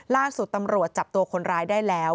ล่าสุดตำรวจจับตัวคนร้ายได้แล้ว